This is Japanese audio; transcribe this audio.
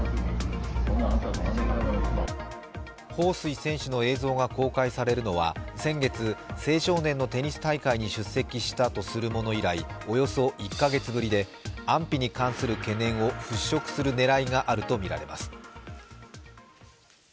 彭帥選手の映像が公開されるのは先月、青少年のテニス大会に出席したとされるもの以来およそ１カ月ぶりで安否に関する懸念をふっしょくする狙いがあるとみられます。